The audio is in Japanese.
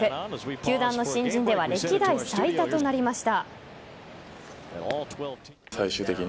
球団の新人では歴代最多となりました。